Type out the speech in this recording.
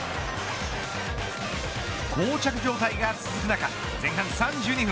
こう着状態が続く中前半３２分